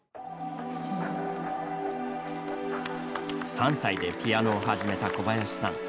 ３歳でピアノを始めた小林さん。